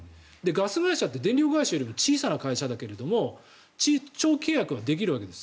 ガス会社って電力会社よりも小さな会社だけども長期契約ができるわけです。